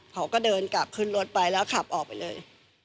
เขาก็เดินกลับขึ้นรถไปแล้วขับออกไปเลย